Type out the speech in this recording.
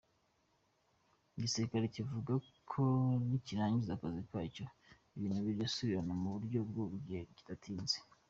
Igisirikare kivuga ko nikirangiza akazi kacyo ibintu biribusubire mu buryo mu gihe kidatinze.